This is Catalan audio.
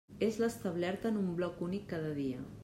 És l'establerta en un bloc únic cada dia.